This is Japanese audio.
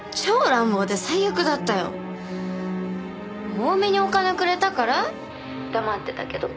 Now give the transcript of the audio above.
多めにお金くれたから黙ってたけど。